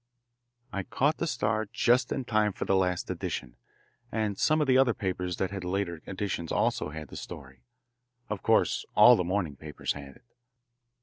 I caught the Star just in time for the last edition, and some of the other papers that had later editions also had the story. Of course all the morning papers had it.